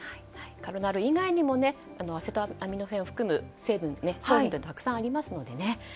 カロナール以外にもアセトアミノフェンを含む商品はたくさんありますからね。